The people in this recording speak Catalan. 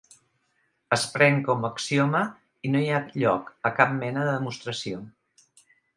Es pren com a axioma i no hi ha lloc a cap mena de demostració.